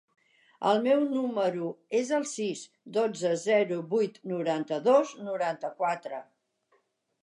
El meu número es el sis, dotze, zero, vuit, noranta-dos, noranta-quatre.